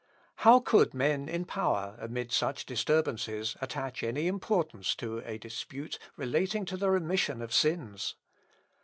How could men in power, amid such disturbances, attach any importance to a dispute relating to the remission of sins?